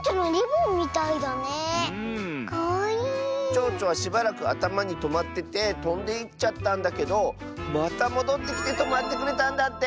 ちょうちょはしばらくあたまにとまっててとんでいっちゃったんだけどまたもどってきてとまってくれたんだって！